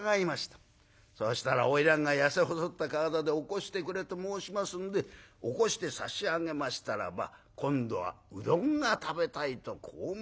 そうしたら花魁が痩せ細った体で起こしてくれと申しますんで起こして差し上げましたらば今度はうどんが食べたいとこう申します。